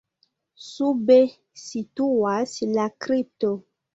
Sube situas la kripto.